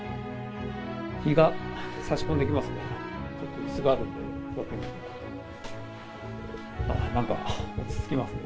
日が差し込んできますね。